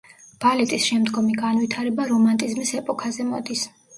ბალეტის შემდგომი განვითარება რომანტიზმის ეპოქაზე მოდის.